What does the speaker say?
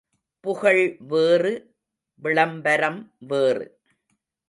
புகழ் வேறு விளம்பரம் வேறு.